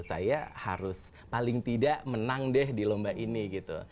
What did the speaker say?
saya harus paling tidak menang deh di lomba ini gitu